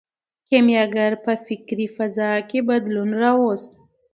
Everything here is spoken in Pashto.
کیمیاګر په فکري فضا کې بدلون راوست.